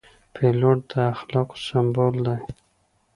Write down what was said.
پیلوټ د اخلاقو سمبول دی.